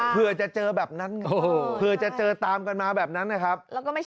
เผื่อจะเจอแบบนั้นเผื่อจะเจอตามกันมาแบบนั้นนะครับ